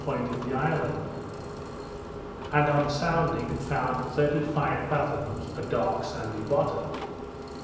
point of the island; and, on sounding, found thirty five fathoms, a dark sandy bottom.